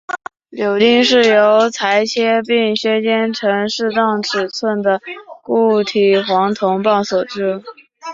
铆钉是由裁切并削尖成适当尺寸的固体黄铜棒所做。